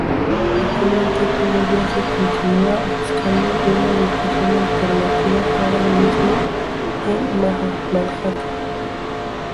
Actualmente todavía se continúa buscando una ubicación alternativa para el mismo en Manhattan.